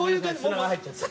砂が入っちゃった。